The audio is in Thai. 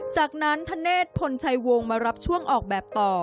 จากนั้นธเนธพลชัยวงศ์มารับช่วงออกแบบต่อ